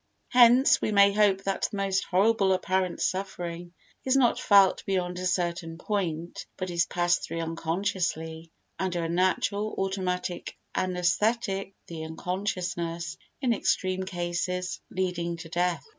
Hence we may hope that the most horrible apparent suffering is not felt beyond a certain point, but is passed through unconsciously under a natural, automatic anæsthetic—the unconsciousness, in extreme cases, leading to death.